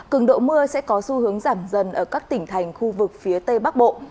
cường độ mưa sẽ có xu hướng giảm dần ở các tỉnh thành khu vực phía tây bắc bộ